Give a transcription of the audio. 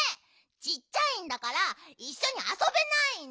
ちっちゃいんだからいっしょにあそべないの！